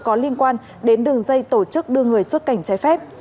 có liên quan đến đường dây tổ chức đưa người xuất cảnh trái phép